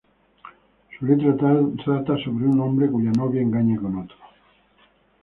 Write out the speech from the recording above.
Su letra trata sobre un hombre cuya novia engaña con otro.